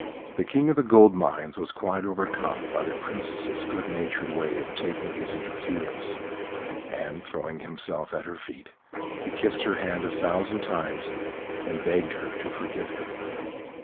The King of the Gold Mines was quite overcome by the Princess's good natured way of taking his interference, and, throwing himself at her feet, he kissed her hand a thousand times and begged her to forgive him.